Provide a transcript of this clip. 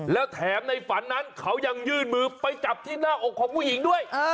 แล้วแถมในฝันนั้นเขายังยื่นมือไปจับที่หน้าอกของผู้หญิงด้วย